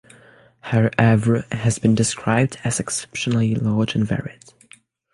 Her "oeuvre" has been described as exceptionally large and varied.